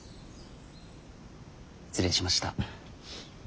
失礼しました。